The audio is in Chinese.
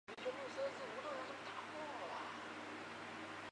卡拉韦拉什是葡萄牙布拉干萨区的一个堂区。